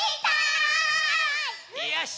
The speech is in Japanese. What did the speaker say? よし！